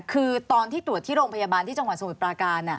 คือตอนที่ตรวจที่โรงพยาบาลที่จังหวัดสมุทรปราการ